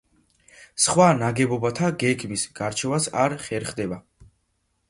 სხვა ნაგებობათა გეგმის გარჩევაც არ ხერხდება.